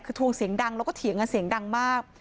คือทวงเสียงดังแล้วก็เถียงกันเสียงดังมาก